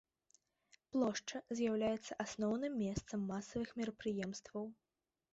Плошча з'яўляецца асноўным месцам масавых мерапрыемстваў.